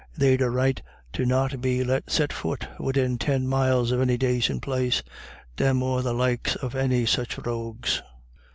They'd a right to not be let set fut widin tin mile of any dacint place. Thim or the likes of any such rogues."